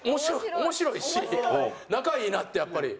面白いし仲いいなってやっぱり。